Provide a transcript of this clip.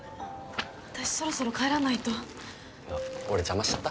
私そろそろ帰らないとあっ俺邪魔しちゃった？